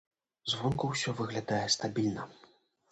Звонку ўсё выглядае стабільна.